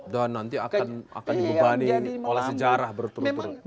dan nanti akan dibubani oleh sejarah berturut turut